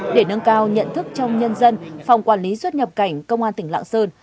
để nâng cao nhận thức trong nhân dân phòng quản lý xuất nhập cảnh công an tỉnh lạng sơn